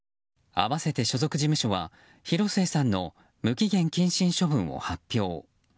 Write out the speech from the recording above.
合わせて所属事務所は広末さんの無期限謹慎処分を発表。